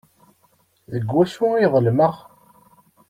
Deg wacu ay ḍelmeɣ?